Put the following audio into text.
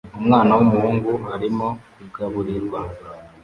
Umwana w'umuhungu arimo kugaburirwa